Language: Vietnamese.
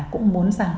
cũng muốn rằng